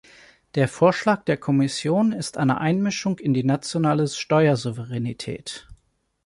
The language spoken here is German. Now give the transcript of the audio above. Der Vorschlag der Kommission ist eine Einmischung in die nationale Steuersouveränität.